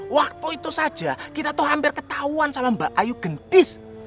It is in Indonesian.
waktu itu saja kita tuh hampir ketahuan sama mbak ayu gentis